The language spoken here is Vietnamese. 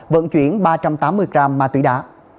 vận chuyển ba trăm tám mươi gram ma túy đá